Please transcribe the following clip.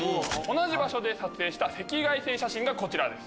同じ場所で撮影した赤外線写真がこちらです。